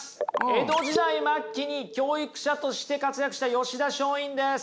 江戸時代末期に教育者として活躍した吉田松陰です。